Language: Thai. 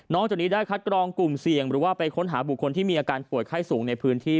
จากนี้ได้คัดกรองกลุ่มเสี่ยงหรือว่าไปค้นหาบุคคลที่มีอาการป่วยไข้สูงในพื้นที่